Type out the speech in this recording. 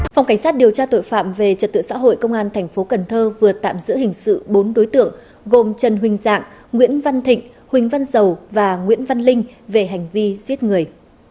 phòng cảnh sát điều tra tội phạm về trật tự xã hội công an thành phố cần thơ vừa tạm giữ hình sự bốn đối tượng gồm trần huỳnh dạng nguyễn văn thịnh huỳnh văn dầu và nguyễn văn linh về hành vi giết người